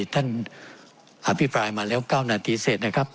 ท่านอภิปรายมาแล้ว๙นาทีเสร็จนะครับ